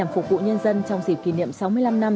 phục vụ nhân dân trong dịp kỷ niệm sáu mươi năm năm